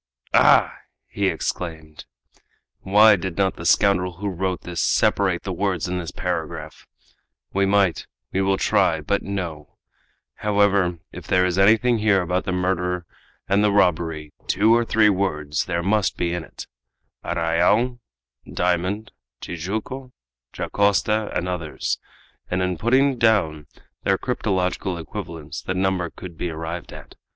"Ah!" he exclaimed, "why did not the scoundrel who wrote this separate the words in this paragraph? We might we will try but no! However, if there is anything here about the murder and the robbery, two or three words there must be in it 'arrayal,' 'diamond,' 'Tijuco,' 'Dacosta,' and others; and in putting down their cryptological equivalents the number could be arrived at.